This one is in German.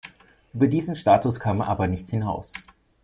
Über diesen Status kam er aber nicht hinaus.